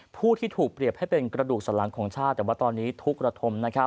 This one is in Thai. ผู้ที่ถูกเปรียบให้เป็นกระดูกสันหลังของชาติแต่ว่าตอนนี้ทุกระทม